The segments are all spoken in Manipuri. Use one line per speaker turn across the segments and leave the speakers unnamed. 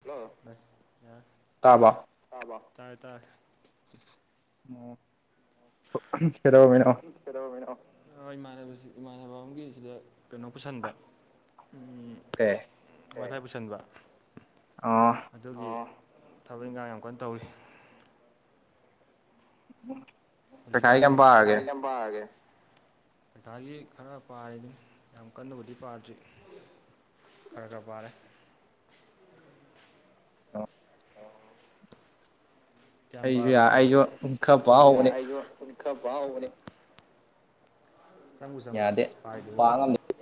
ꯍꯜꯂꯣ ꯍꯥ
ꯇꯥꯔꯕꯣ
ꯇꯥꯔꯕ ꯇꯥꯔꯦ ꯇꯥꯔꯦ
ꯑꯣ
[unintelligible] ꯥꯀꯩꯗꯧꯔꯝꯃꯤꯅꯣ ꯑꯥ ꯏꯃꯥꯟꯅꯕꯁꯤ ꯏꯃꯥꯟꯅꯕ ꯑꯃꯒꯤ ꯁꯤꯗ ꯀꯩꯅꯣ ꯄꯨꯁꯤꯟꯕ ꯎꯝ ꯋꯥꯏꯐꯥꯏ ꯄꯨꯁꯟꯕ ꯑꯗꯨꯒꯤ ꯊꯕꯛ ꯏꯪꯈꯥꯡ ꯌꯥꯝ ꯀꯟꯅ ꯇꯧꯔꯤ ꯍꯧꯖꯤꯛꯀꯥꯟ ꯄꯩꯈꯥꯒꯤ ꯀꯌꯥꯝ ꯄꯥꯔꯒꯦ ꯄꯩꯈꯥꯒꯤ ꯈꯔ ꯄꯥꯔꯦꯗꯨꯅꯤ ꯌꯥꯝ ꯀꯟꯅꯕꯨꯗꯤ ꯄꯥꯗ꯭ꯔꯤ ꯈꯔ ꯈꯔ ꯄꯥꯔꯦ ꯑꯣ ꯀꯌꯥꯝ ꯄꯥꯔꯕ ꯅꯪꯗꯤ ꯑꯩꯁꯨ ꯑꯩꯁꯨ ꯁꯨꯝ ꯈꯔ ꯄꯥꯕ ꯍꯧꯕꯅꯤ ꯆꯪꯕꯨ ꯆꯪꯕ꯭ꯔꯣ ꯄꯥꯏꯗꯨꯕꯣ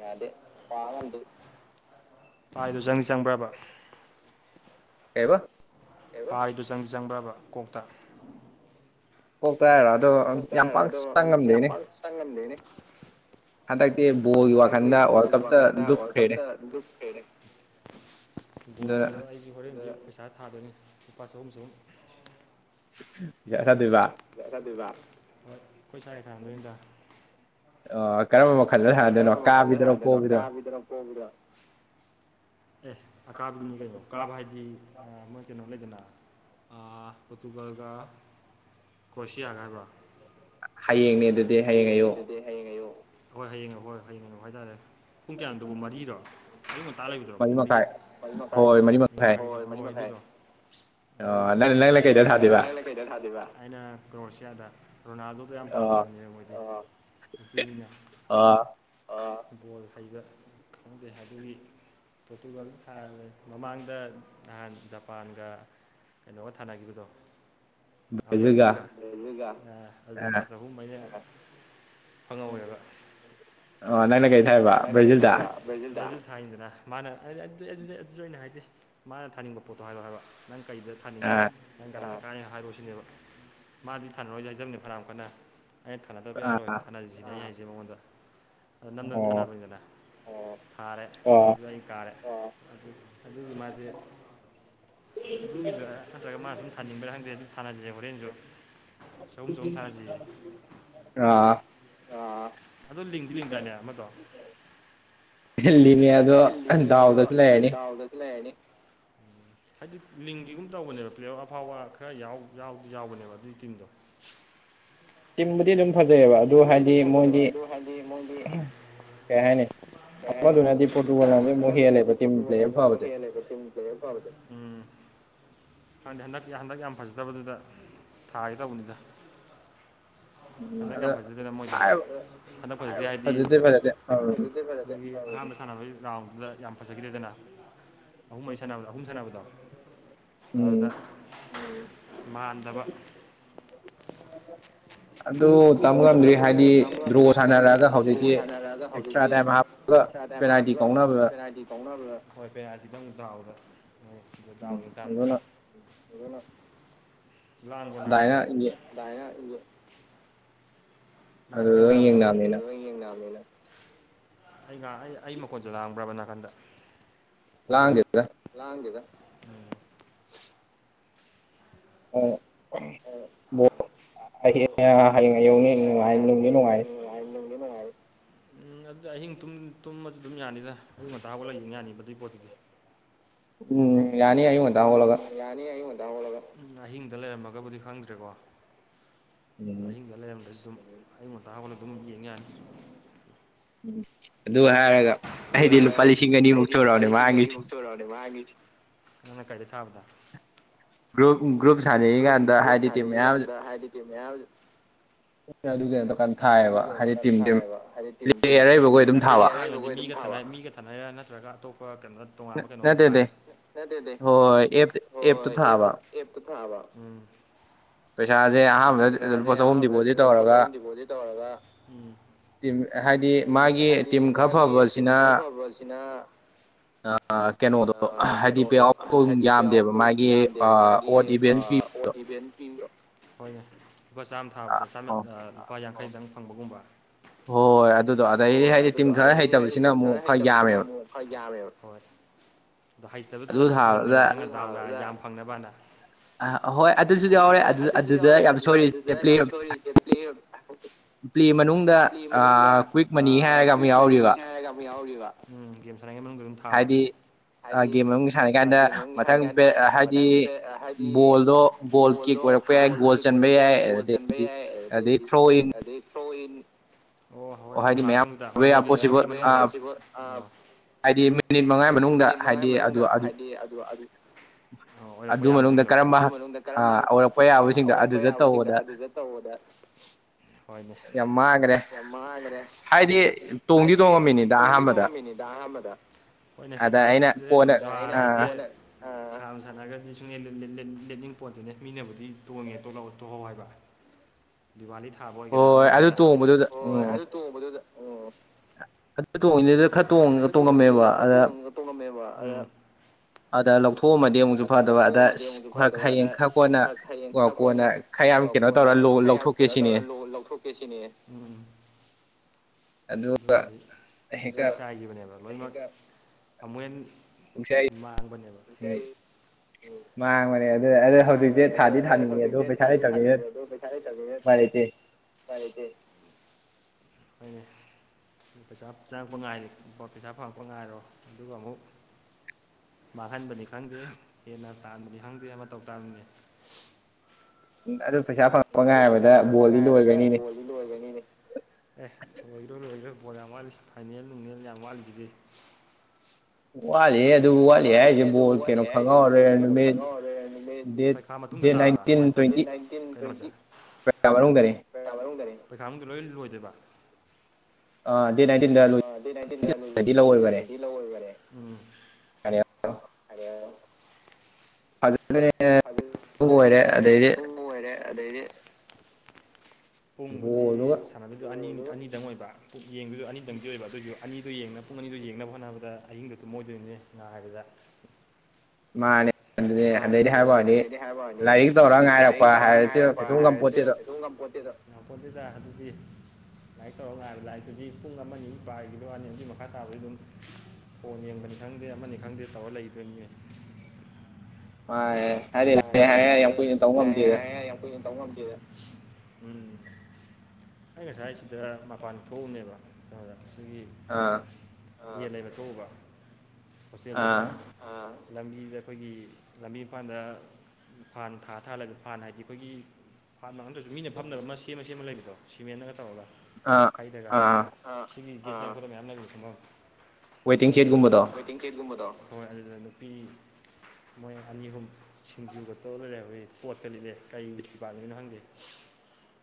ꯌꯥꯗꯦ ꯄꯥꯕ‌ꯉꯝꯗꯦ ꯄꯥꯏꯗꯣ ꯆꯪꯗꯤ ꯆꯪꯕ꯭ꯔꯕ
ꯀꯩꯕ
ꯄꯥꯏꯗꯣ ꯆꯪꯗꯤ ꯆꯪꯕ꯭ꯔꯕ ꯀꯣꯛꯇ
ꯀꯣꯛꯇ ꯍꯥꯏꯔꯣ ꯑꯗꯣ ꯌꯥꯝ ꯄꯥꯛ ꯆꯪ ꯉꯝꯗꯦꯅꯦ
ꯆꯪ ꯉꯝꯗꯦꯅꯦ [unintelligible] ꯍꯟꯗꯛꯇꯤ ꯕꯣꯜꯒꯤ ꯋꯥꯈꯜꯗ ꯋꯥꯔꯜ ꯀꯞꯇ ꯂꯨꯞꯈ꯭ꯔꯦꯅꯦ ꯕꯣꯜꯗꯣ ꯑꯩꯁꯨ ꯍꯣꯔꯦꯟ ꯄꯩꯁꯥ ꯊꯥꯗꯣꯏꯅꯤ ꯂꯨꯄꯥ ꯆꯍꯨꯝ ꯆꯍꯨꯝ
ꯄꯩꯁꯥ ꯊꯥꯗꯣꯏꯕ
ꯄꯩꯁꯥ ꯊꯥꯗꯣꯏꯕ ꯍꯣꯏ ꯑꯩꯈꯣꯏ ꯁꯥꯏꯒ ꯊꯥꯅꯗꯣꯏꯅꯤꯗ
ꯑꯣ ꯀꯔꯝꯕ ꯃꯈꯜꯗ ꯊꯥꯟꯅꯗꯣꯏꯅꯣ ꯀꯥꯕꯤꯗꯔꯣ ꯄꯣꯕꯤꯗꯔꯣ
ꯀꯥꯕꯤꯗꯔꯣ ꯄꯣꯕꯤꯗꯔꯣ ꯑꯦ ꯑꯀꯥꯕꯤꯒꯤꯅꯤ ꯀꯩꯅꯣ ꯀꯥꯕ ꯍꯥꯏꯗꯤ ꯑꯥ ꯃꯣꯏ ꯀꯩꯅꯣ ꯂꯩꯗꯅ ꯑꯥ ꯄꯣꯔꯇꯨꯒꯜꯒ ꯀ꯭ꯔꯣꯁꯤꯌꯥꯒ ꯍꯥꯏꯕ꯭ꯔꯣ
ꯍꯌꯦꯡꯅꯦ ꯑꯗꯨꯠ
ꯍꯌꯦꯡꯅꯦ ꯑꯗꯨꯗꯤ ꯍꯌꯦꯡ ꯑꯌꯨꯛ ꯍꯣꯏ ꯍꯌꯦꯡ ꯍꯣꯏ ꯍꯌꯦꯡ ꯑꯌꯨꯛ ꯍꯥꯏꯇꯥꯔꯦ ꯄꯨꯡ ꯀꯌꯥꯅꯣ ꯑꯗꯨꯕꯨ ꯃꯔꯤꯔꯣ ꯑꯌꯨꯛ ꯉꯟꯇꯥ ꯂꯩꯕꯗꯨꯔꯣ ꯄꯨꯡ ꯃꯔꯤ ꯃꯔꯤ‌ ꯃꯈꯥꯏ‌ ꯃꯔꯤ‌ ꯃꯈꯥꯏ‌ ꯍꯣꯏ ꯃꯔꯤ‌ ꯃꯈꯥꯏ‌ ꯍꯣꯏ ꯑꯗꯨ ꯑꯗꯨ ꯑꯥ‌ ꯗꯨ‌ ꯑꯥ ꯗꯨ‌ ꯑꯣ ꯅꯪ ꯅꯪ ꯀꯩꯗ ꯊꯥꯗꯣꯏꯕ ꯑꯩꯅ ꯀ꯭ꯔꯣꯁꯤꯌꯥꯗ ꯔꯣꯅꯥꯜꯗꯣꯗꯨ ꯌꯥꯝ ꯄꯥꯝꯖ [unintelligible] ꯆꯪꯉꯦꯕ ꯃꯣꯏꯖꯦ ꯑꯣ ꯅꯨꯄꯤꯅꯤꯅ ꯑꯥ ꯕꯣꯜ ꯍꯩꯕ ꯈꯪꯗꯦ ꯑꯗꯨꯒꯤ ꯄꯣꯔꯇꯨꯒꯜ ꯊꯥꯍꯜꯂꯦ ꯃꯃꯥꯡꯗ ꯅꯍꯥꯟ ꯖꯄꯥꯟꯒ ꯀꯩꯅꯣꯒ ꯊꯥꯅꯒꯤꯕꯗꯣ UNINTELLIGIBLE ꯐꯪꯍꯧꯋꯦꯕ ꯑꯣ ꯅꯪꯅ ꯀꯩꯗ ꯊꯥꯏꯕ ꯕ꯭ꯔꯥꯖꯤꯜꯗ ꯑꯗꯨꯗ ꯊꯥꯏꯅꯤꯗꯅ ꯃꯥꯅ ꯑꯗꯨꯗꯩ ꯑꯗꯨꯗ ꯑꯗꯨꯖꯨ ꯑꯩꯅ ꯍꯥꯏꯗꯦ ꯃꯥꯅ ꯊꯥꯅꯤꯡꯕ ꯄꯣꯠꯇꯣ ꯍꯥꯏꯔꯛꯑꯣ ꯍꯥꯏꯕ ꯅꯪ ꯀꯩꯗ ꯊꯥꯅꯤꯡꯉꯤꯗꯣ ꯅꯪ ꯀꯅꯥꯥꯗ ꯊꯥꯅꯤꯡꯉꯤꯅꯣ ꯍꯥꯏꯔꯣꯁꯤꯅꯦꯕ ꯃꯥꯗꯤ ꯊꯥꯅꯔꯣꯏꯖꯦ ꯍꯥꯏꯖꯕꯅꯦ ꯐꯅꯥ ꯀꯟꯅ ꯑꯩꯅ ꯊꯥꯅꯗꯕ ꯌꯥꯔꯣꯏ ꯊꯥꯅꯖꯤꯁꯤꯅꯤ ꯑꯩꯅ ꯍꯥꯏꯖꯦ ꯃꯉꯣꯟꯗ ꯑꯗꯣ ꯅꯝꯗꯅ ꯊꯥꯅꯕꯅꯤꯗꯅ ꯑꯣꯑꯣ ꯊꯥꯔꯦ ꯑꯗꯨ ꯑꯩ ꯀꯥꯔꯦ ꯑꯣꯑꯣ ꯑꯗꯨꯒꯤ ꯃꯥꯖꯦ ꯑꯗꯨꯒꯤꯗ UNINTELLIGIBLE
INAUDIBLE
ꯑꯥ ꯑꯗꯨ ꯂꯤꯡꯗꯤ ꯂꯩꯗꯥꯏꯅꯦ ꯑꯃꯗꯣ
ꯍꯦꯜꯂꯤꯅꯦ ꯑꯗꯣ ꯗꯥꯎꯗꯖꯨ ꯂꯩꯔꯅꯤ
ꯗꯥꯎꯗꯖꯨ ꯂꯩꯔꯅꯤ ꯍꯥꯏꯗꯤ ꯂꯤꯡꯒꯤꯒꯨꯝ ꯇꯧꯕꯅꯦꯕ ꯄ꯭ꯂꯦꯌꯥꯔ ꯑꯐꯥꯎꯕ ꯈꯔ ꯌꯥꯎ ꯌꯥꯎꯕꯅꯦꯕ ꯑꯗꯨꯢ ꯇꯤꯝꯗꯣ ꯇꯤꯝꯕꯨꯗꯤ ꯑꯗꯨꯝ ꯐꯖꯩꯑꯕ ꯑꯗꯨ ꯍꯥꯏꯗꯤ ꯃꯣꯏꯗꯤ UNINTELLIGIBLE INAUDIBLE ꯈꯪꯗꯦ ꯍꯟꯗꯛꯇꯤ ꯍꯟꯗꯛ ꯌꯥꯝ ꯐꯖꯗꯕꯗꯨꯗ ꯊꯥꯒꯦ ꯇꯧꯕꯅꯤꯗ ꯍꯟꯗꯛ ꯌꯥꯝ ꯐꯖꯗꯦꯗꯅ ꯃꯣꯏꯗꯣ ꯍꯟꯗꯛ ꯐꯖꯗꯦ ꯍꯥꯏꯗꯤ ꯐꯖꯗꯦ ꯑꯗꯒꯤ ꯑꯍꯥꯟꯕ ꯁꯥꯟꯅꯕꯒꯤ ꯔꯥꯎꯟꯗꯨꯗ ꯌꯥꯝ ꯐꯖꯈꯤꯗꯦꯗꯅ ꯑꯍꯨꯝ- ꯃꯔꯤ ꯁꯥꯟꯅꯕꯗ ꯑꯍꯨꯝ ꯁꯥꯟꯅꯕꯗꯣ ꯑꯗꯨꯗ ꯃꯥꯟꯗꯕ
INAUDIBLE ꯑꯗꯣ ꯇꯝꯕ ꯉꯝꯗ꯭ꯔꯤ ꯍꯥꯏꯗꯤ ꯗ꯭ꯔꯣ ꯁꯥꯟꯅꯔꯛꯑꯒ ꯍꯧꯖꯤꯛꯇꯤ ꯑꯦꯛꯁꯇ꯭ꯔꯥ ꯇꯥꯏꯝ ꯍꯥꯞꯄꯒ
ꯑꯦꯛꯁꯇ꯭ꯔꯥ ꯇꯥꯏꯝ ꯍꯥꯞꯄꯒꯥ ꯐꯦꯅꯥꯏꯇꯤ ꯀꯥꯎꯅꯕꯗ UNINTELLIGIBLE UNINTELLIGIBLE ꯅꯥꯀꯟ ꯅꯥꯀꯟ ꯂꯥꯡꯕꯗꯣ ꯑꯗꯨꯗ ꯌꯦꯡꯅꯕꯅꯤꯅ ꯑꯩꯒ ꯑꯩ ꯃꯈꯣꯟꯜꯖꯦ ꯂꯥꯡꯕ꯭ꯔꯕ ꯅꯥꯀꯟꯗ
ꯂꯥꯡꯗ꯭ꯦꯗ
ꯂꯥꯡꯗꯦꯗ
UNINTELLIGIBLE
ꯅꯨꯡꯉꯥꯢ ꯅꯨꯡꯗꯤ ꯅꯨꯡꯉꯥꯢꯅꯤ ꯎꯪ ꯑꯗꯨꯗꯤ ꯑꯍꯤꯡ ꯇꯨꯝ ꯇꯨꯝꯃꯖꯨ ꯑꯗꯨꯝ ꯌꯥꯅꯤꯗ ꯑꯌꯨꯛ ꯉꯟꯇꯥ ꯍꯧꯒꯠꯂꯒ ꯌꯨꯡ ꯌꯥꯅꯤꯕ ꯑꯗꯨꯢ ꯄꯣꯠꯇꯨꯗꯤ
ꯎꯎꯪ ꯌꯥꯅꯤ ꯑꯌꯨꯛꯉꯟ
ꯎꯪ ꯌꯥꯅꯤ ꯑꯌꯨꯛꯉꯟꯇꯥ ꯍꯧꯒꯠꯂꯒ ꯎꯪ ꯑꯍꯤꯡꯗ ꯂꯩꯔꯝꯃꯒꯕꯨꯗꯤ ꯈꯪꯗ꯭ꯔꯦꯀꯣ ꯑꯍꯤꯡꯗ ꯂꯩꯔꯝꯗ꯭ꯔꯗꯤ ꯑꯗꯨꯝ ꯑꯌꯨꯛ ꯉꯟꯇꯥ ꯍꯧꯒꯠꯂꯒ ꯑꯗꯨꯝ ꯌꯦꯡ ꯌꯥꯅꯤ
ꯑꯗꯨ ꯍꯥꯏꯔꯒ ꯑꯩꯗꯤ ꯂꯨꯄꯥ ꯂꯤꯁꯤꯡ ꯑꯅꯤꯃꯨꯛ ꯁꯨꯔꯛꯑꯕꯅꯦ ꯃꯥꯡꯉꯤꯁꯤ
ꯁꯨꯔꯛꯑꯕꯅꯦ ꯃꯥꯡꯒꯤꯁꯤ ꯅꯪꯅ ꯀꯩ ꯊꯥꯕꯗ ꯒ꯭ꯔꯨꯞ ꯒ꯭ꯔꯨꯞ ꯊꯥꯅꯩꯀꯥꯟꯗ ꯍꯥꯏꯗꯤ INAUDIBLE
ꯅꯠꯇꯦ ꯑꯗꯨ ꯌꯧꯗꯣꯔꯀꯥꯟꯗ
UNINTELLIGIBLE ꯁꯥꯟꯅꯩꯔ ꯅꯠꯇ꯭ꯔꯒ ꯑꯇꯣꯞꯄ ꯀꯩꯅꯣ ꯇꯣꯉꯥꯟꯕ ꯀꯩꯅꯣꯝ ꯊꯥꯏꯔꯥ ꯅꯠꯇꯦ ꯗꯦ ꯍꯣꯏ ꯑꯦꯐ ꯑꯦꯞꯇ ꯊꯥꯕ ꯎꯝ
ꯄꯩꯁꯥꯁꯦ ꯑꯍꯥꯟꯕꯗ ꯂꯨꯄꯥ ꯆꯍꯨꯝ ꯗꯤꯄꯣꯖꯤꯠ ꯇꯧꯔꯒ ꯇꯤꯝ ꯍꯥꯏꯗꯤ ꯃꯥꯒꯤ ꯇꯤꯝ ꯈ ꯐꯕꯁꯤꯅ ꯀꯩꯅꯣꯗꯣ ꯍꯥꯏꯗꯤ ꯄꯦ ꯑꯥꯎꯠ [unintelligible] ꯌꯥꯝꯗꯦꯕ ꯃꯥꯒꯤ ꯑꯣꯠ ꯏꯚꯦꯟ ꯄꯤꯕꯗꯣ
ꯄꯤꯕ꯭ꯔꯣ ꯍꯣꯏꯅꯦ ꯂꯨꯄꯥ ꯆꯥꯝ ꯊꯥꯕꯗꯥ ꯆꯥꯝ ꯃ ꯂꯨꯄꯥ ꯌꯥꯡꯈꯩꯗꯪ ꯐꯪꯕꯒꯨꯝꯕ
ꯍꯣꯏ
ꯍꯣꯏ ꯍꯣꯏ ꯑꯗꯨꯗꯣ ꯑꯗꯩ ꯍꯥꯏꯗꯤ ꯇꯤꯝ ꯈꯔ ꯍꯩꯇꯕꯁꯤꯅ ꯑꯃꯨꯛ ꯈꯔ ꯌꯥꯝꯃꯦꯕ ꯍꯣꯏ ꯑꯗꯣ ꯍꯩꯇꯕ ꯈꯜꯂ ꯊꯥꯖꯤꯟꯕꯅꯦꯕ ꯅꯪꯅ [unintelligible] ꯌꯥꯝ ꯐꯪꯅꯕꯅ ꯑ ꯍꯣꯏ ꯑꯗꯨꯁꯨ ꯌꯥꯎꯔꯦ ꯑꯗꯨ ꯑꯗꯨꯗ ꯌꯥꯝ ꯁꯣꯏꯔꯤꯁꯦ ꯄ꯭ꯂꯦ
ꯄ꯭ꯂꯦ ꯃꯅꯨꯡ
ꯄ꯭ꯂꯦ ꯃꯅꯨꯡꯗ ꯀ꯭ꯨꯋꯤꯛ [unintelligible] ꯅꯤ ꯍꯥꯏꯔꯒ ꯑꯃ ꯌꯥꯎꯔꯤꯕ ꯎꯝ ꯒꯦꯝ ꯁꯥꯟꯅꯩꯉꯩ ꯃꯅꯨꯡꯗ
ꯍꯥꯏꯗꯤ
ꯍꯥꯏꯗꯤ ꯍꯥꯢꯗꯤ ꯒꯦꯝ ꯃꯅꯨꯡ ꯁꯥꯟꯅꯩ ꯀꯥꯟꯗ ꯃꯊꯪ ꯄ꯭ꯂꯦ ꯍꯥꯏꯗꯤ ꯕꯣꯜꯗꯣ ꯒꯣꯜ ꯀꯤꯞ ꯑꯣꯏꯔꯛꯄ ꯌꯥꯏ ꯒꯣꯜ ꯆꯟꯕ ꯌꯥꯏ ꯑꯗꯩꯗꯤ ꯑꯗꯩ ꯊ꯭ꯔꯣ ꯏꯟ ꯍꯣꯢ ꯍꯣꯏ ꯑꯗꯨ ꯉꯥꯏꯍꯥꯛꯇꯪꯗꯨꯗ [unintelligible] ꯍꯣꯏ ꯍꯥꯏꯗꯤ ꯃꯤꯅꯤꯠ ꯃꯉꯥ ꯃꯅꯨꯡꯗ ꯍꯥꯏꯗꯤ ꯑꯗꯨ ꯑꯗꯨ ꯑꯣ ꯑꯣꯏꯔꯛꯄ ꯌꯥꯕꯖꯤꯡꯗꯣ ꯑꯗꯨ ꯃꯅꯨꯡꯗ ꯀꯔꯝꯕ [unintelligible] ꯑꯣꯏꯔꯛꯄ ꯌꯥꯕꯁꯤꯡꯗꯣ ꯑꯗꯨꯗ ꯇꯧꯕꯗ ꯍꯣꯏꯅꯦ
ꯃꯥꯡꯈ꯭ꯔꯦ ꯍꯥꯏꯗꯤ ꯇꯣꯡꯗꯤ ꯇꯣꯡꯉꯝꯃꯤꯅꯤꯗ ꯑꯍꯥꯟꯕꯗ ꯑꯗ ꯑꯏꯩꯅ ꯀꯣꯟꯅ ꯑ
ꯁꯥꯟꯅꯔꯒ꯭ꯔꯗꯤ ꯁꯨꯡꯂꯦꯞ [unintelligible] ꯂꯦꯞꯅꯤꯡ ꯄꯣꯟꯇꯦꯅꯦ ꯃꯤꯅꯕꯨꯗꯤ ꯇꯣꯡꯉꯤꯉꯩ ꯇꯣꯛꯍꯧ ꯍꯥꯏꯕ
[inaudible]
ꯗꯤꯋꯥꯂꯤ ꯊꯥꯕ
ꯍꯣꯏ ꯍꯣꯏ ꯑꯗꯨ ꯇꯣꯡꯕꯗꯨꯗ ꯎꯝ
ꯇꯣꯡꯕꯗꯨꯗ ꯎꯝ
ꯑꯗꯨ ꯇꯣꯡꯉꯝꯉꯩꯗꯨꯗ ꯈꯠ
ꯑꯗ ꯇꯣꯡꯉꯤꯉꯩꯗ ꯈꯔ ꯇꯣꯡ ꯇꯣꯡꯉꯝꯃꯦꯕ ꯑꯗꯥ ꯑꯗ ꯂꯧꯊꯣꯛꯑꯝꯃꯗꯤ ꯑꯃꯨꯛꯁꯨ ꯐꯗꯧꯕ ꯑꯗ ꯈ꯭ꯔ ꯍꯌꯦꯡ ꯈ꯭ꯔ ꯀꯣꯟꯅ ꯀꯣꯟꯅ ꯈꯌꯥꯝ ꯀꯩꯅꯣ ꯇꯧꯔ ꯂꯣ ꯂꯧꯊꯣꯛꯀꯦ ꯁꯤꯅꯤ ꯎꯝ
ꯑꯗ
ꯑꯗꯨꯒꯗꯤ ꯄꯨꯡꯆꯥꯏ ꯆꯥꯏꯈꯤꯕꯅꯦꯕ ꯂꯣꯏꯅꯃꯛ ꯑꯃꯨꯛ ꯍꯦꯟ ꯃꯥꯥꯡꯕꯅꯦꯕ [unintelligible]
ꯃꯥꯡꯕꯅꯦ ꯑꯗꯨ ꯑꯗꯣ ꯍꯧꯖꯤꯛꯁꯦ ꯊꯥꯗꯤ ꯊꯥꯅꯤꯡꯉꯦ ꯑꯗꯣ ꯄꯩꯁꯥ ꯂꯩꯇꯃꯤꯅꯥ ꯎꯄꯥꯏ ꯂꯩꯇꯦ
ꯎꯄꯥꯏ ꯂꯩꯇꯦ ꯍꯧꯏꯅꯦ ꯄꯩꯁꯥ ꯆꯪꯉꯛꯄ ꯉꯥꯏꯔꯤ ꯄꯩꯁꯥ ꯐꯪꯉꯛꯄ ꯉꯥꯏꯔꯣ ꯑꯗꯨꯒ ꯑꯃꯨꯛ ꯃꯥꯡꯍꯟꯕꯅꯤ ꯈꯪꯗꯦ ꯍꯦꯟꯅ ꯇꯥꯟꯕꯅꯤ ꯈꯪꯗꯦ ꯑꯃ ꯇꯧ ꯇꯥꯃꯤꯅꯦ
ꯎꯝ ꯑꯗꯨ ꯄꯩꯁꯥ ꯐꯪꯉꯛꯄ ꯉꯥꯏꯔꯕꯗ ꯕꯣꯜꯗꯤ ꯂꯣꯏꯒ꯭ꯔꯅꯤꯅꯦ
ꯂꯣꯏꯒ꯭ꯔꯅꯤꯅꯦ ꯑꯦ ꯕꯣꯜꯗꯨ ꯂꯣꯏꯈ꯭ꯔꯣ ꯕꯣꯜ ꯌꯥꯝ ꯋꯥꯠꯂꯤ ꯐꯥꯏꯅꯦꯜ ꯅꯨꯡꯅꯦꯜ ꯌꯥꯝ ꯋꯥꯠꯂꯤꯖꯤꯗꯤ ꯋꯥꯠꯂꯤ ꯑꯗꯨ ꯋꯥꯠꯂꯤ ꯍꯥꯏꯁꯤ ꯕꯣꯜ ꯀꯩꯅꯣ ꯈꯪꯍꯧꯔꯔꯣꯏ ꯅꯨꯃꯤꯠ [unintelligible] ꯊꯥ ꯃꯇꯨꯡꯗ ꯇꯥꯕ꯭ꯔꯥ ꯀꯃꯥꯏꯟ ꯇꯧꯢ ꯗꯦꯠ ꯅꯥꯏꯟꯇꯤꯟ ꯇꯣꯢꯟꯇꯤ [unintelligible]
[unintelligible] ꯃꯅꯨꯡꯗꯅꯤ
ꯄꯩꯈꯥꯥ ꯃꯅꯨꯡꯗꯅꯤ ꯄꯩꯈꯥꯥ ꯃꯅꯨꯡꯗ ꯂꯣꯏ ꯂꯣꯏꯗꯣꯏꯕ
ꯑ ꯗꯦꯠ ꯅꯥꯏꯟꯇꯤꯟꯗꯥ
[inaudible] ꯅꯥꯏꯟꯇꯤꯟꯗ [inaudible] ꯍꯜꯂꫭ
[unintelligible]
[unintelligible] ꯑꯗꯩꯗꯤ ꯄꯨꯡꯕꯨꯗꯤ ꯁꯥꯟꯅ ꯑꯗꯨ ꯑꯅꯤ ꯑꯅꯤꯗꯪ ꯑꯣꯏꯕ ꯄꯨꯡ ꯌꯦꯡꯕꯗꯨ ꯑꯅꯤꯗꯪꯗꯤ ꯑꯣꯏꯕ ꯑꯗꯨꯒꯤꯁꯨ ꯑꯅꯤꯗꯨ ꯌꯦꯡꯅ ꯄꯨꯡ ꯑꯅꯤꯗꯨ ꯌꯦꯡꯅꯕ ꯍꯣꯠꯅꯕꯗ ꯑꯌꯤꯡꯗꯣ ꯇꯨꯝꯣꯏꯗꯣꯏꯅꯦ ꯉꯥꯏꯕꯗ
ꯃꯥꯅ°
ꯃꯥꯅꯦ [inaudible] ꯑꯗꯨꯗꯩꯗꯤ ꯍꯥꯏꯕꯩꯋꯥꯅꯤ ꯂꯥꯏꯔꯤꯛ ꯇꯧꯔꯒ ꯉꯥꯏꯔꯛꯄ ꯍꯥꯏꯔꯁꯨ ꯀꯩꯁꯨ ꯉꯨꯄꯣꯠꯇ°ꯗꫭ ꯉꯝꯄꯣꯟꯇ°ꯗꯥ ꯑꯗꯨꯗꯤ ꯂꯥꯏ ꯇꯧꯔꯒ ꯉꯥꯏꯕ ꯂꯥꯏꯔꯤꯛꯇꯨꯗꯤ ꯄꯨꯡ ꯑꯃ ꯑꯅꯤ ꯄꯥꯒꯤꯕꯩ ꯋꯥꯅꯤ ꯑꯗꯨꯛ ꯃꯈꯥ ꯇꯥꯕꯗꯤ ꯑꯗꯨꯝ ꯐꯣꯟ ꯌꯦꯡꯕꯅꯤ ꯈꯪꯗꯦ ꯑꯃꯅꯤ ꯈꯪꯗꯦ ꯇꯧꯔ ꯂꯩꯒꯤꯗꯣꯏꯃꯤꯅꯦ
ꯃꯥ [inaudible] ꯍꯥꯏꯔꯗꯤ ꯂꯥꯏꯔꯤꯛꯍꯥꯏꯔ° ꯌꯥꯝ ꯀꯨꯏꯅ ꯇꯧꯕ ꯉꯝꯗꯦꯕ
ꯀꯨꯏꯅꯥ ꯇꯧ ꯉꯝꯗꯦꯗ ꯎꯝ ꯑꯩ ꯉꯁꯥꯏ ꯁꯤꯗ ꯃꯄꯥꯟ ꯊꯣꯛꯎꯕꯅ°ꯕ ꯑꯗꯨꯗꯥ ꯑꯁꯤꯒꯤ ꯀꯩꯍꯥꯏꯕꯥ ꯌꯦꯟ ꯂꯩꯕ ꯊꯣꯛꯎꯕ ꯍꯣꯁꯇꯦꯜꯗꯒꯤ ꯑꯥ ꯂꯝꯕꯤꯗ ꯑꯩꯈꯣꯏꯒꯤ ꯂꯝꯕꯤ ꯃꯄꯥꯟꯗ ꯐꯥꯟ ꯊꯥ ꯊꯥꯂ ꯐꯥꯟ ꯍꯥꯏꯗꯤ ꯑꯩꯈꯣꯏꯒꯤ ꯐꯥꯟ ꯃꯥꯐ [inaudible] ꯃꯤꯅ ꯐꯝꯅꯕ ꯑꯃ ꯁꯦꯝꯃ ꯁꯦꯝꯃ ꯂꯩꯕꯗꯣ ꯁꯤꯃꯦꯟꯅꯒ ꯇꯧꯔꯒ ꯈꯥꯏꯗꯒ ꯁꯤꯒꯤ ꯒꯦꯠ ꯆꯥꯡꯀꯞꯗ ꯃꯌꯥꯝ ꯐꯝꯐꯝ ꯑꯗꯨꯗ ꯇꯦꯡꯀꯦꯠꯀꯨꯝꯕꯗꯧ ꯍꯣꯏ ꯑꯗꯨꯗ ꯅꯨꯄꯤ ꯃꯣꯏ ꯑꯅꯤ ꯑꯍꯨꯝ ꯁꯤꯡꯖꯨꯒ ꯇꯧꯠꯂꯥ ꯂꯩꯍꯧꯏ ꯀꯣꯠꯀꯥ ꯂꯤꯠꯂꯤ ꯀꯩ ꯗꯤꯄꯥꯠꯃꯦꯟꯅꯣ ꯈꯪꯗꯦ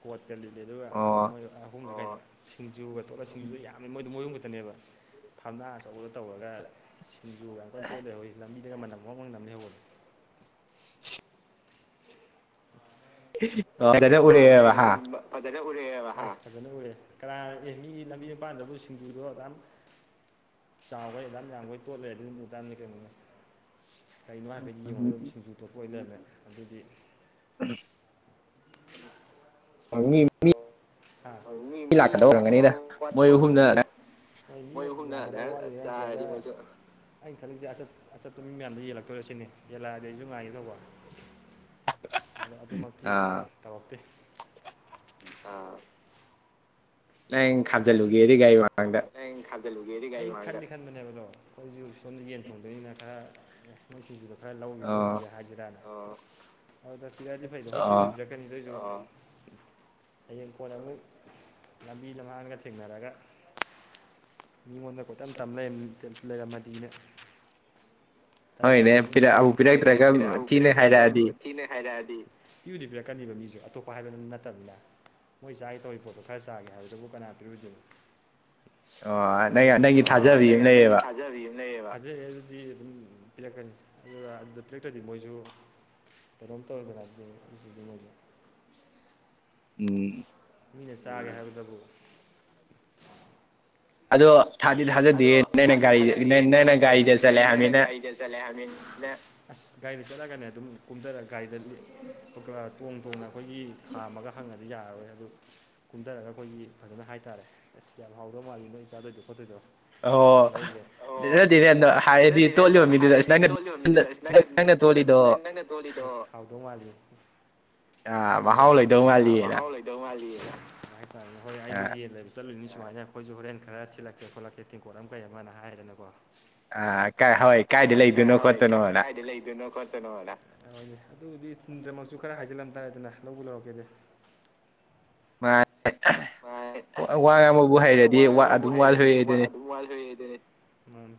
ꯀꯣꯇꯀꯥ ꯂꯤꯠꯂꯤ ꯑꯗꯨꯒ ꯃꯣꯏ ꯑꯍꯨꯝꯂꯥ ꯀꯩꯅꯣ ꯁꯤꯡꯖꯨꯒ ꯇꯣꯠꯂꯒ ꯁꯤꯡꯖꯨꯗ ꯌꯥꯝꯃꯦ ꯃꯣꯏꯗꯣ ꯃꯣꯏꯌꯨꯝ ꯈꯛꯇꯅꯦꯕ ꯊꯝꯅꯥ ꯑꯆꯧꯕꯗ ꯇꯧꯔꯒ ꯁꯤꯡꯖꯨ ꯌꯥꯝ ꯀꯟꯅ ꯇꯣꯠꯂꯦ ꯂꯩꯍꯧꯏ ꯂꯝꯕꯤꯗꯒ ꯃꯅꯝ ꯋꯪ ꯋꯪ ꯅꯝ ꯍꯧꯕꯅꯤ [unintelligible] ꯐꯖꯅ ꯎꯔꯦꯕ ꯍꯥ ꯐꯖꯅ ꯎꯔꯦ ꯀꯅꯥ ꯑꯦ ꯃꯤꯒꯤ ꯂꯝꯕꯤ ꯃꯄꯥꯟꯗꯕꯨ ꯁꯤꯡꯖꯨꯗꯣ ꯑꯗꯨꯛꯌꯝ ꯆꯥꯎꯒꯩ ꯑꯗꯨꯌꯥꯝ ꯌꯥꯝꯒꯩ ꯇꯣꯠꯂꯔꯗꯤ ꯑꯗꯨꯝ ꯎꯇꯥꯃꯤ ꯀꯩꯅꯣꯅꯦ ꯀꯔꯤꯅꯣ ꯍꯥꯏꯐꯩꯠ ꯌꯦꯡꯉꯨꯔꯒ ꯑꯗꯨꯝ ꯁꯤꯡꯖꯨ ꯊꯣꯠꯄ ꯑꯣꯏꯂꯩꯔꯥꯃꯦ ꯑꯗꯨꯗꯤ
[unintelligible] [unintelligible]
[inaudible] ꯃꯤ ꯂꯥꯛꯀꯗꯧ ꯋꯥꯠꯄ ꯑꯣꯏꯔꯝꯒꯅꯤꯗ ꯃꯣꯏ ꯑꯍꯨꯝꯅ ꯑꯗꯥꯏꯅ ꯆꯔꯗꯤ ꯃꯣꯏꯁꯨ ꯑꯩꯟ ꯈꯜꯂꯤꯁꯦ ꯑꯆꯠ ꯑꯆꯠꯄ ꯃꯤ ꯃꯌꯥꯝꯗ ꯌꯦꯜꯂꯛꯇꯣꯏꯔꯁꯤꯅꯤ ꯌꯦꯂꯥꯑꯗꯤ ꯑꯩꯁꯨ ꯉꯥꯏꯒꯦ ꯇꯧꯕ ꯑꯗꯣ ꯑꯗꯨꯃꯛꯇꯤ ꯇꯧꯔꯛꯇꯦ ꯑꯥ
ꯅꯪ ꯍꯌ°ꯡ ꯈꯥꯝꯖꯜꯂꯨꯒꯦꯗꯤ ꯒꯥꯔꯤ ꯃꯃꯥꯡꯗ
ꯅꯪ [inaudible] ꯈꯥꯝꯖꯜꯂꯨꯒꯦꯗꯤ ꯒꯥꯔꯤ ꯃꯥꯡꯗ ꯈꯟꯗꯤ ꯈꯟꯕꯅꯦꯕꯗꯣ ꯈꯣꯏꯖꯨ ꯁꯣꯝꯅ ꯌꯦꯟ ꯊꯣꯡꯗꯣꯏꯅꯤꯅ ꯈꯔ ꯅꯣꯏ ꯁꯤꯡꯖꯨꯗꯣ ꯈꯔ ꯂꯧꯒꯦ ꯈꯣꯠꯄꯤꯒꯦ ꯍꯥꯏꯖꯤꯔꯅ ꯑꯣ ꯑꯗ ꯄꯤꯔꯛꯑꯗꯤ ꯐꯩꯗꯣ ꯍꯣꯏ ꯄꯤꯕꯨꯗꯤ ꯄꯤꯔꯛ ꯀꯅꯤ ꯑꯗꯣꯏꯖꯨ ꯑꫭ ꯍꯌꯦꯡ ꯀꫭꯟꯅ ꯑꯃꯨꯛ ꯂꯝꯕꯤ ꯂꯝꯍꯥꯡꯗꯒ ꯊꯦꯡꯅꯔꯒ ꯃꯤꯉꯣꯟꯗ ꯀꯣꯏꯇꯝ ꯇꯝ ꯂꯩꯔꯝꯃ ꯂꯩꯔꯝꯃꯗꯤꯅ ꯇꯜꯂꯤꯕꯅꯤꯅ° ꯑꯩꯁꯨ ꯍꯣꯏꯅꯦ ꯄꯤꯔꯑꯧ ꯄꯤꯔꯛꯇ꯭ꯔꯒꯥ ꯊꯤꯅ ꯍꯥꯏꯔꯛꯑꯗꯤ ꯄꯤꯕꯨꯗꯤ ꯄꯤꯔꯛꯀꯅꯤꯕ ꯃꯤꯖꯨ ꯑꯇꯣꯞꯄ ꯍꯥꯏꯕ ꯅ ꯅꯠꯇꯕꯅꯤꯅ ꯃꯣꯏ ꯆꯥꯒꯦ ꯇꯧꯔꯤ ꯄꯣꯠꯇꯣ ꯈꯔ ꯆꯥꯒꯦ ꯍꯥꯏꯕꯗꯕꯨ ꯀꯅꯥ ꯄꯤꯔꯑꯣꯏꯗꯤꯅꯣ ꯑꯘꯨ ꯄꯤꯔꯛꯇ꯭ꯔꯗꯤ ꯅꯪ ꯅꯪꯒꯤ ꯊꯥꯖꯕꯤ ꯑꯃ ꯂꯩꯌꯦꯕ ꯊꯖꯩꯍꯦ ꯑꯗꯨꯗꯤ ꯑꯗꯨꯝ ꯄꯤꯔꯛꯀꯅꯤ ꯑꯗꯨꯒ ꯑꯗꯨꯗ ꯄꯤꯔꯛꯇ꯭ꯔꯗꯤ ꯃꯣꯏꯖꯨ ꯀꯩꯅꯣꯝ ꯇꯩꯔꯝꯗꯅꯕ ꯑꯗꯤ ꯃꯣꯏꯖꯨ꯫
ꯎꯝ
ꯃꯤꯅ ꯆꯥꯒꯦ ꯍꯥꯏꯕꯗꯕꯨ
ꯑꯗꯣ ꯊꯥꯗꯤ ꯊꯥꯖꯗꯦꯌꯦ ꯅꯪꯅ ꯒꯥꯔꯤꯗ ꯅꯪꯅ ꯒꯥꯔꯤꯗ ꯆꯠꯂꯦ ꯍꯥꯏꯝꯅꯤꯅ꯫
ꯆꯠꯂꯦ ꯍꯥꯏꯝꯅꯤꯅ ꯑꯁ ꯒꯥꯔꯤꯗ ꯆꯠꯂꯒꯅ ꯑꯗꯨꯝ ꯀꯨꯝꯗꯔꯒ ꯒꯥꯔꯤꯗ ꯂꯦ ꯊꯣꯛꯂꯑ ꯇꯣꯡ ꯇꯣꯡꯅ ꯑꯈꯣꯏꯒꯤ ꯈꯥꯝꯃꯒ ꯍꯪꯉꯗꯤ ꯌꯥꯑꯔꯣꯏ ꯑꯗꯨ ꯀꯨꯝꯗꯔꯒ ꯑꯈꯣꯏꯒꯤ ꯐꯖꯅ ꯍꯥꯏꯇꯥꯔꯦ ꯑꯁ ꯌꯥꯝ ꯍꯥꯎꯗꯧ ꯃꯥꯜꯂꯤ ꯅꯣꯏ ꯆꯥꯗꯣꯏꯗꯣ ꯈꯣꯠꯇꯣꯏꯗꯣ꯫ ꯈꯔ ꯂꯧꯒꯦ ꯑꯣ ꯗꯤꯅꯦ ꯗꯤꯔꯦꯟꯗ ꯍꯥꯏꯔꯗꯤ ꯇꯣꯠ ꯌꫭꯟ ꯃꯤꯗꯨꯗ ꯑꯁ ꯅꯪꯅ [inaudible] ꯏꯅꯛ ꯅꯪꯅ ꯗꯣꯠꯂꯤꯗꯣ ꯍꯁ ꯍꯥꯎꯗꯣ ꯃꯥꯜꯂꯤ꯫ ꯅꯪꯅ ꯇꯣꯞꯄꯗꯣ ꯌꯥꯝ ꯍꯥꯎꯗꯧ ꯑ ꯃꯍꯥꯎ ꯂꯩꯗꯧ ꯃꯥꯜꯂꯤ ꯅ ꯗꯨꯃꯥꯏꯟ ꯇꯧꯔꯅꯤ ꯍꯣꯏ ꯑꯩꯖꯨ ꯌꯦꯟ ꯂꯩꯕ ꯆꯠꯂꯨꯏꯅꯤ ꯁꯨꯃꯥꯏꯅ ꯑꯈꯣꯏꯖꯨ ꯍꯣꯔꯦꯟ ꯈꯔ ꯊꯤꯜꯂꯛꯀꯦ ꯈꯣꯠꯂꯛꯀꯦ ꯇꯦꯡꯀꯣꯠ ꯑꯝ ꯀꯩ ꯑꯃꯅ ꯍꯥꯏꯔꯦꯗꯅꯀꯣ꯫ ꯑ ꯀꯩ ꯍꯥꯎꯌꯤ ꯀ ꯀꯥꯏꯗ ꯂꯩꯗꯣꯏꯅꯣ ꯈꯣꯠꯇꯣꯏꯅꯣꯅ꯫ ꯑ ꯑꯣꯏꯅꯦ ꯑꯗꯨꯕꯨꯗꯤ ꯊꯤꯟꯗ꯭ꯔꯃꯛꯁꯨ ꯈꯔ ꯍꯥꯏꯖꯤꯜꯂꯝ ꯇꯥꯔꯦꯗꯅ ꯂꯧꯕꯨ ꯂꯧꯔꯛꯀꯦꯗꯤ꯫
[unintelligible] ꯋ ꯋꯥ ꯉꯥꯡꯕꯕꯨ ꯍꯩꯔꯗꯤ ꯋ ꯑꯗꯨꯝ ꯋꯥ ꯊꯣꯛꯑꯦ ꯗꯨꯅꯤ꯫
ꯃꯥꯅꯤ꯫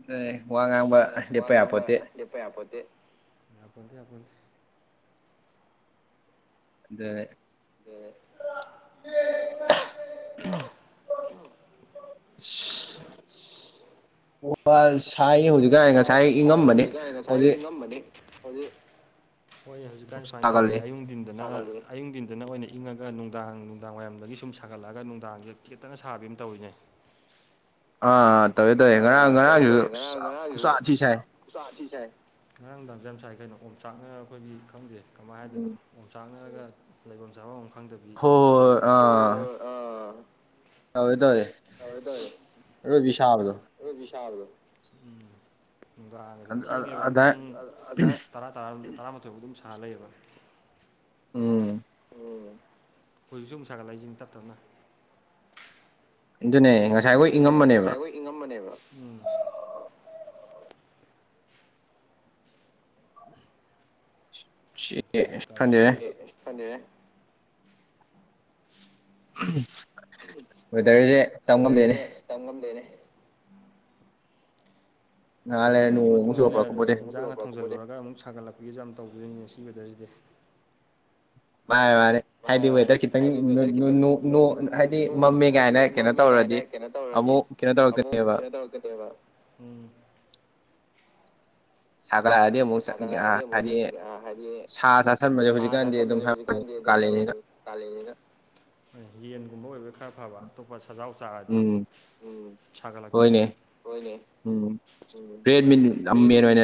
ꯑꯗꯨꯅꯦ ꯋꯥ ꯉꯥꯡꯕ ꯂꯦꯞꯄ ꯌꯥꯄꯣꯠꯇꯦ꯫
ꯂꯦꯞꯄ ꯌꯥꯄꯣꯠꯇꯦ ꯌꯥꯄꯣꯟꯇꯦ-ꯌꯥꯄꯣꯟꯇꯦ꯫
ꯑꯗꯨꯅꯦ꯫
[inaudible]
[unintelligible] ꯁꯤ ꯑꯣ ꯋꯥꯏꯜ ꯁꯥꯏ ꯍꯧꯖꯤꯛ꯫
ꯑꯧ ꯋꯥꯏꯜ ꯁꯥꯏ ꯍꯧꯖꯤꯛꯀꯥꯟ ꯉꯁꯥꯏ ꯏꯉꯝꯕꯅꯤ꯫ ꯍꯧꯖꯤꯛ ꯍꯣꯏ ꯍꯧꯖꯤꯛꯀꯥꯟ ꯁꯨꯃꯥꯏꯟ ꯇꯧꯋꯤꯅꯦ ꯑꯌꯨꯛꯗꯤꯟꯗ [unintelligible] ꯑꯌꯨꯡꯗꯤꯟꯗꯅ ꯑꯣꯏꯅ ꯏꯪꯉꯒ ꯅꯨꯡꯗꯥꯡ ꯅꯨꯡꯗꯥꯡ ꯋꯥꯏꯔꯝꯗꯒꯤ ꯁꯨꯝ ꯁꯥꯒꯠꯂꯛꯑꯒ ꯅꯨꯡꯗꯥꯡꯖꯦ ꯈꯤꯒꯠꯇꯅ ꯁꯥꯕꯤ ꯑꯃ ꯇꯧꯋꯤꯅꯦ꯫
ꯑ ꯇꯧꯋꯦ ꯇ
ꯑ ꯇꯧꯋꯦ-ꯇꯧꯋꯦ ꯉꯔꯥꯡ ꯉꯔꯥꯡ ꯒꯤꯖꯨ ꯆꯞ ꯎꯆꯥꯥꯊꯤ ꯁꯥꯏ ꯉꯔꯥꯡꯗꯥꯡꯖꯨ ꯌꯥꯝ ꯁꯥꯏ ꯀꯩꯅꯣ ꯑꯣꯝꯆꯥꯛꯅꯔ ꯑꯈꯣꯏꯒꯤ ꯈꯪꯗꯦ ꯀꯃꯥꯏ ꯍꯥꯏꯗꯣꯏꯅꯣ꯫ ꯑꯣꯝꯆꯥꯛꯅꯔꯒ ꯂꯩꯚꯝ ꯆꯥꯚꯝ ꯑꯝ ꯈꯪꯗꯕꯤ ꯇꯧꯋꯤꯅꯦ ꯍꯣꯏ ꯑꯥ꯫
ꯇꯧꯋꯤ-ꯇꯧꯋꯤ꯫
ꯇꯧꯋꯤ-ꯇꯧꯋꯤ ꯑꯔꫭꯕꯤ ꯁꯕꯗꯣ ꯎꯝ꯫ ꯅꯨꯡꯗꯥꯡꯒꯖꯦ ꯊꯦꯡꯉꯦꯕ ꯄꯨꯡ ꯑ ꯑꯗꯥꯏꯟ ꯇꯔꯥ ꯇꯔꯥꯔꯨꯝ ꯇꯔꯥꯃꯥꯊꯣꯏꯕꯥꯎ ꯑꯗꯨꯝ ꯁꯥ ꯂꯩꯌꯦꯕ꯫
ꯎꯝ
ꯑꯣ ꯍꯧꯖꯤꯛꯁꯨ ꯑꯃꯨꯛ ꯁꯥꯒꯠꯂꯛꯏꯁꯤꯅꯤ ꯇꯥꯞ ꯇꯥꯞꯅ꯫
ꯑꯗꯨꯅꯦ ꯉꯥ
ꯑꯗꯨꯅꯦ ꯉꯁꯥꯏ ꯉꯣꯏ ꯏꯪꯉꯝꯕꯅꯦꯕ ꯎꯝ꯫ [unintelligible] ꯈꯪꯗꯦꯗ꯫ [unintelligible] ꯋꯦꯗꯔꯖꯦ ꯇꯝ ꯉꯝꯗꯦꯅꯦ꯫ ꯋꯦꯗꯔꯁꯤꯒꯤ ꯃꯇꯨꯡ ꯏꯟꯅ [inaudible] ꯏꯟꯖꯥꯡꯅ ꯊꯣꯡꯖꯤꯜꯂꯨꯔꯒ ꯑꯃꯨꯛ ꯁꯥꯒꯠꯂꯛꯄꯒꯤꯁꯨ ꯌꯥꯝ ꯇꯧꯗꯣꯏꯅꯤꯅꯦ ꯁꯤ ꯋꯦꯗꯔꯁꯤꯗꯤ꯫
ꯃꯥꯅꯤ ꯃꯥꯅꯤ꯫
ꯃꯥꯅꯤ-ꯃꯥꯅꯤ ꯍꯥꯏꯗꯤ ꯋꯦꯗꯔ ꯈꯤꯇꯪ ꯅꯣꯏ ꯅꯣ ꯅꫭ ꯅꫭ ꯅꫭ ꯍꯥꯏꯗꯤ ꯃꯝꯃꯦ ꯀꯥꯏꯅ ꯀꯩꯅꯣ ꯇꯧꯔꯗꯤ ꯑꯃꯨꯛ ꯀꯩꯅꯣ ꯇꯧꯔꯛꯇꯣꯏꯇꫭꯏꯕ꯫ ꯁꯥꯒꯠꯂꯥꯗꯤ ꯑꯃꯨꯛ ꯆꯥ ꯑꯥ ꯍꯥꯏꯗꯤ ꯁꯥ ꯆꯥꯁꯤꯟꯕꯅꯦ ꯍꯧꯖꯤꯛ [inaudible] ꯀꯂꯦꯟꯅꯤꯅ ꯍꯣꯏ ꯌꯦꯟꯒꯨꯝꯕ ꯑꯣꯏꯕꯩ ꯈꯔ ꯐꯕ꯫ ꯑꯇꯣꯞꯄ ꯁꯖꯥꯎ ꯆꯥꯔꯗꯤ ꯎꯝ ꯁꯥꯒꯠꯂꯛꯇꯣꯏꯅꯤꯅꯦ ꯍꯣꯏꯅꯦ ꯎꯝ ꯔꯦꯠ ꯃꯤꯟ